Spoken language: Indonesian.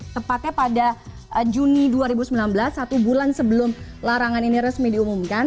tepatnya pada juni dua ribu sembilan belas satu bulan sebelum larangan ini resmi diumumkan